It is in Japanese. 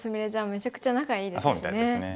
めちゃくちゃ仲いいですしね。